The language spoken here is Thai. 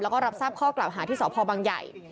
แล้วก็รับทราบข้อกล่าวหาที่สพบังใหญ่